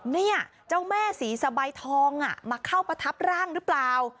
เนี่ยเจ้าแม่ศรีสะใบทองมาเข้าประทับร่างหรือเปล่า